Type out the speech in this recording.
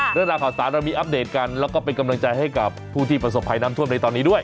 เรื่องราวข่าวสารเรามีอัปเดตกันแล้วก็เป็นกำลังใจให้กับผู้ที่ประสบภัยน้ำท่วมในตอนนี้ด้วย